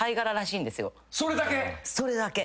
それだけ？